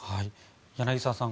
柳澤さん